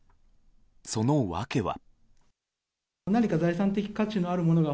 その訳は。